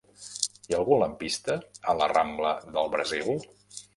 Hi ha algun lampista a la rambla del Brasil?